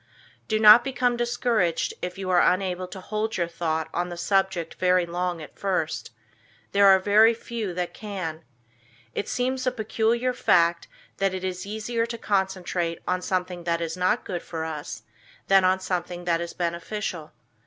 Do not become discouraged, if you are unable to hold your thought on the subject very long at first. There are very few that can. It seems a peculiar fact that it is easier to concentrate on something that is not good for us, than on something that is beneficial.